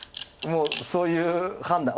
もうそういう判断。